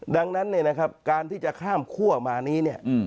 ดังนั้นการที่จะข้ามครั่วมานี้